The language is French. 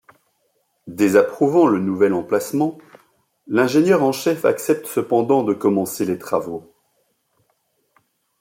Désapprouvant le nouvel emplacement, l'ingénieur en chef accepte cependant de commencer les travaux.